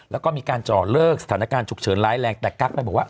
แล้วก็มีการเจาะเลิกสถานการณ์ฉุกเฉินร้ายแรงแต่กั๊กเลยบอกว่า